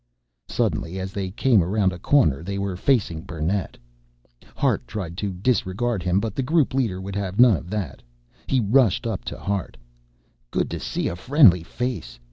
Suddenly, as they came around a corner, they were facing Burnett. Hart tried to disregard him but the group leader would have none of that. He rushed up to Hart. "Good to see a friendly face.